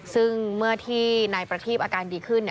ซึ่งเมื่อที่นายประทีบอาการดีขึ้น